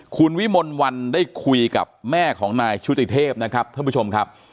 คุณวิมลวันได้คุยกับแม่ของนายชุติเทพนะครับท่านผู้ชมครับ